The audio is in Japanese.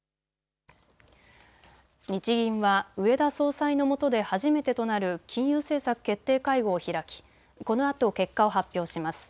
日銀は植田総裁のもとで初めてとなる金融政策決定会合を開きこのあと結果を発表します。